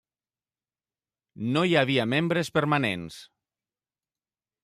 No hi havia membres permanents.